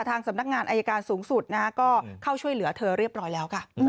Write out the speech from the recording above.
ทางสำนักงานอายการสูงสุดก็เข้าช่วยเหลือเธอเรียบร้อยแล้วค่ะ